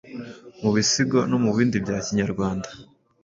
mu Bisigo no mu bindi bya Kinyarwanda.